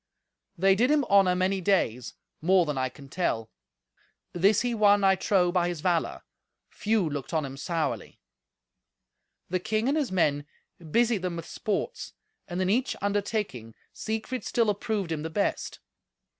They did him honour many days: more than I can tell. This he won, I trow, by his valour. Few looked on him sourly. The king and his men busied them with sports, and in each undertaking Siegfried still approved him the best.